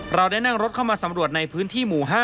เราได้นั่งรถเข้ามาสำรวจในพื้นที่หมู่๕